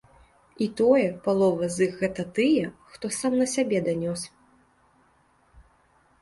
І тое, палова з іх гэта тыя, хто сам на сябе данёс.